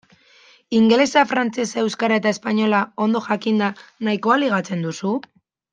Ingelesa, frantsesa, euskara eta espainola ondo jakinda nahikoa ligatzen duzu?